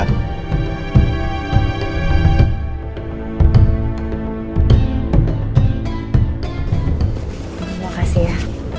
terima kasih ya